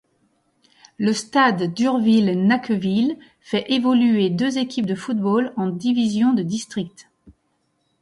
Le Stade d'Urville-Nacqueville fait évoluer deux équipes de football en divisions de district.